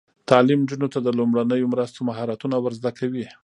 تعلیم نجونو ته د لومړنیو مرستو مهارتونه ور زده کوي.